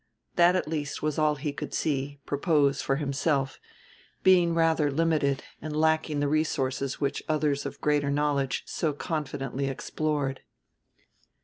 That, at least, was all he could see, propose, for himself, being rather limited and lacking the resources which others of greater knowledge so confidently explored.